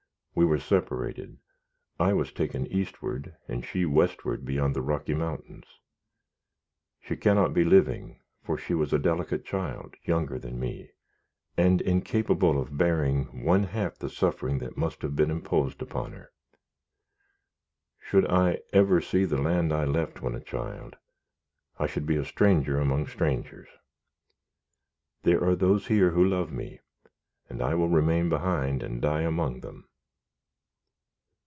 We were separated; I was taken eastward, and she westward beyond the Rocky Mountains. She cannot be living, for she was a delicate child, younger than me, and incapable of bearing one half the suffering that must have been imposed upon her. Should I ever see the land I left when a child, I should be a stranger among strangers. There are those here who love me, and I will remain behind and die among them."